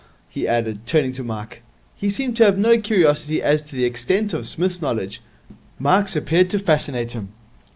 he added, turning to Mike. He seemed to have no curiosity as to the extent of Psmith's knowledge. Mike's appeared to fascinate him.